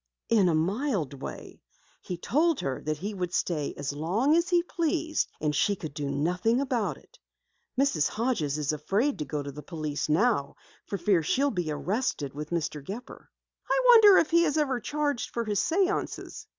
"In a mild way. He told her that he would stay as long as he pleased and she could do nothing about it. Mrs. Hodges is afraid to go to the police for fear she'll be arrested with Mr. Gepper." "I wonder if he ever has charged for his séances?"